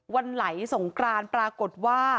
วันไหลสงกรานปรากฏว่า